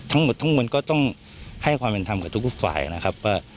ทั้งหมดทั้งมนตร์ก็ต้องให้ความแรงทำกับทุกไว้นะครับ